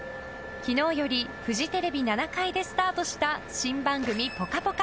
昨日よりフジテレビ７階でスタートした新番組「ぽかぽか」。